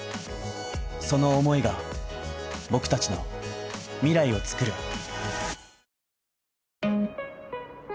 その思いが僕達の未来をつくる